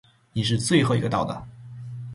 你是最后一个到的。